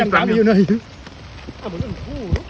มาเริ่มครู่